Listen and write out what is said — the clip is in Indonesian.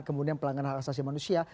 kemudian pelanggaran hak asasi manusia